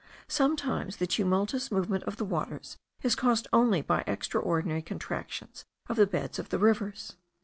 Sometimes the tumultuous movement of the waters is caused only by extraordinary contractions of the beds of the rivers.